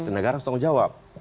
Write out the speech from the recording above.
negara setanggung jawab